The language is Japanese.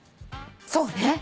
そうね。